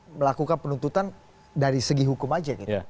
melakukan penuntutan dari segi hukum saja